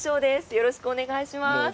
よろしくお願いします。